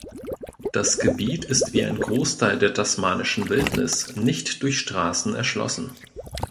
Das Gebiet ist wie ein Großteil der tasmanischen Wildnis nicht durch Straßen erschlossen.